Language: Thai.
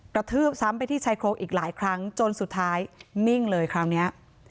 ทืบซ้ำไปที่ชายโครงอีกหลายครั้งจนสุดท้ายนิ่งเลยคราวนี้